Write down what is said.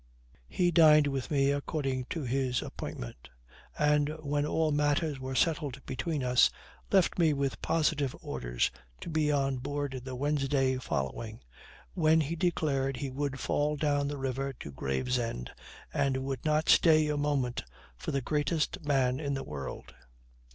He dined with me according to his appointment; and when all matters were settled between us, left me with positive orders to be on board the Wednesday following, when he declared he would fall down the river to Gravesend, and would not stay a moment for the greatest man in the world.